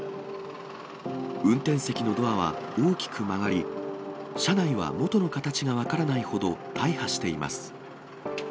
運転席のドアは大きく曲がり、車内は元の形が分からないほど大破しています。